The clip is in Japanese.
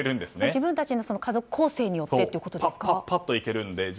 自分たちの家族構成によってということですか。